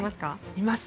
います。